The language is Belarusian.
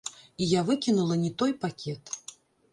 І я выкінула не той пакет.